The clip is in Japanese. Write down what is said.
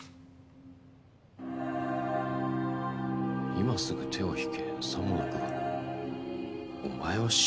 「今すぐ手を引け」「さもなくばお前は死ぬ」